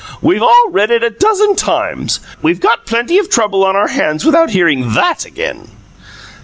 "We've all read it a dozen times. We've got plenty of trouble on our hands without hearing THAT again!"